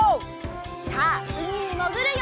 さあうみにもぐるよ！